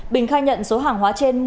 bình khai nhận số hàng hóa trên